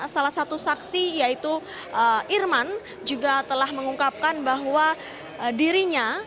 salah satu saksi yaitu irman juga telah mengungkapkan bahwa dirinya